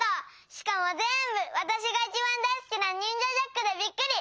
しかもぜんぶわたしがいちばんだいすきなニンジャ・ジャックでびっくり！